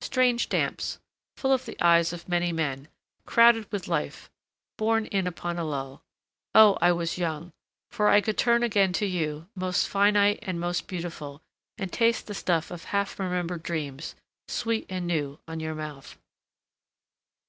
Strange damps—full of the eyes of many men, crowded with life borne in upon a lull.... Oh, I was young, for I could turn again to you, most finite and most beautiful, and taste the stuff of half remembered dreams, sweet and new on your mouth.